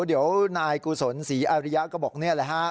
เดี๋ยวนายกุศลศรีอาริยะก็บอกนี่แหละฮะ